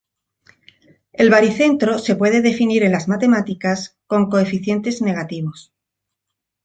El baricentro se puede definir en las matemáticas con coeficientes negativos.